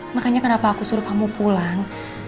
makanya kenapa aku suruh kamu pulang